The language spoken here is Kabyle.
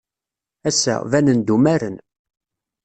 Ass-a, banen-d umaren.